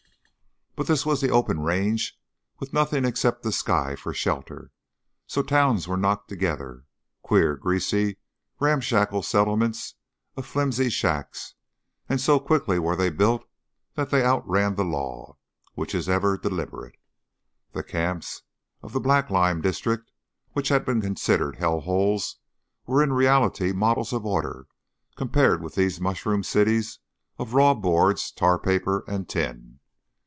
But this was the open range with nothing except the sky for shelter, so towns were knocked together queer, greasy, ramshackle settlements of flimsy shacks and so quickly were they built that they outran the law, which is ever deliberate. The camps of the black lime district, which had been considered hell holes, were in reality models of order compared with these mushroom cities of raw boards, tar paper, and tin.